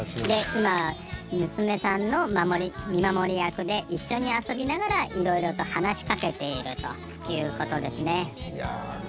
で今は娘さんの見守り役で一緒に遊びながらいろいろと話しかけているということですね。